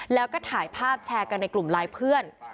แล้วก็ถ่ายภาพแชร์กันในกลุ่มไลน์เพื่อน